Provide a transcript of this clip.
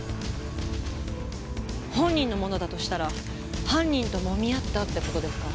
本人のものだとしたら犯人ともみ合ったって事ですか？